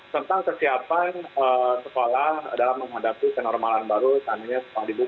tentang kesiapan sekolah dalam menghadapi kenormalan baru saat ini sekolah dibuka